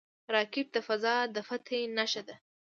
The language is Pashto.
راکټ د فضا د فتح نښه ده